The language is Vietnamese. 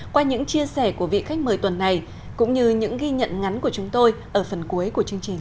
qua những chia sẻ của vị khách mời tuần này cũng như những ghi nhận ngắn của chúng tôi ở phần cuối của chương trình